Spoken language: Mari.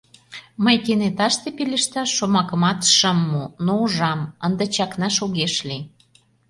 Мый кенеташте пелешташ шомакымат шым му, но, ужам, ынде чакнаш огеш лий.